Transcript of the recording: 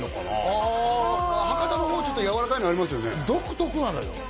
ああ博多の方ちょっとやわらかいのありますよね独特なのよ